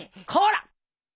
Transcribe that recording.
こらっ！